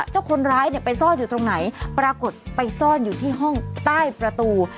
เจ้าคนร้ายเนี่ยไปซ่อนอยู่ตรงไหนปรากฏไปซ่อนอยู่ที่ห้องใต้ประตู